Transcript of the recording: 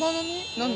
何だ？